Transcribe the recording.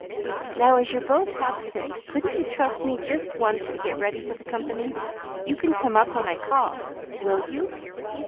"Now, as you're both half sick, couldn't you trust me just once to get ready for the company? You can come up when I call. Will you?"